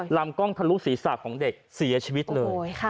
ลำกล้องทะลุศีรษะของเด็กเสียชีวิตเลย